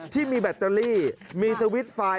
ที่มีแบตเตอรี่มี